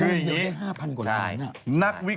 ยิงและ๕๐๐๐กว่าค่ะใช่ไหมน่ะ